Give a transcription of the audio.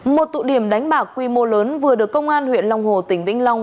một tụ điểm đánh bạc quy mô lớn vừa được công an huyện long hồ tỉnh vĩnh long